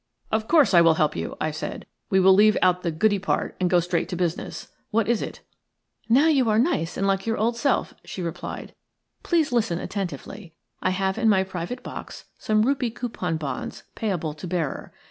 "Of course I will help you," I said. "We will leave out the goody part and go straight to business. What is it?" "Now you are nice and like your own old self," she replied. "Please listen attentively. I have in my private box some rupee coupon bonds, payable to bearer.